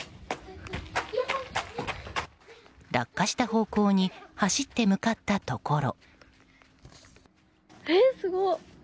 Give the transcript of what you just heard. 落下した方向に走って向かったところ。